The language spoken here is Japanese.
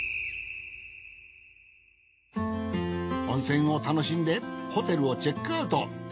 温泉を楽しんでホテルをチェックアウト。